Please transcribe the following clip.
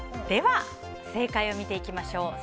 では正解を見ていきましょう。